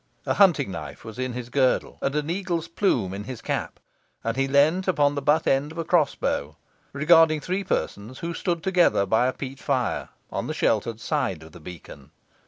A hunting knife was in his girdle, and an eagle's plume in his cap, and he leaned upon the but end of a crossbow, regarding three persons who stood together by a peat fire, on the sheltered side of the beacon.